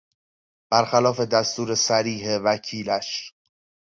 برخلاف دستور صریح وکیلش